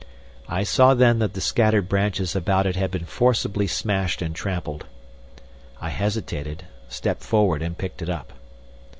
I saw then that the scattered branches about it had been forcibly smashed and trampled. I hesitated, stepped forward, and picked it up.